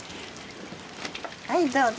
はいどうぞ。